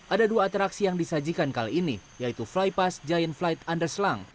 ada dua atraksi yang disajikan kali ini yaitu flypass giant flight underslang